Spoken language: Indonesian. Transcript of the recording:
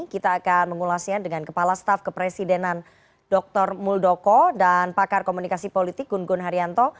kita akan mengulasnya dengan kepala staf kepresidenan dr muldoko dan pakar komunikasi politik gun gun haryanto